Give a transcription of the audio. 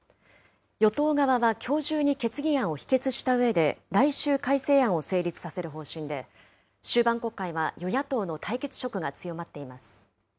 与党側はきょう中に決議案を否決したうえで、来週改正案を成立させる方針で、終盤国会は与野党の対決色が強まっています。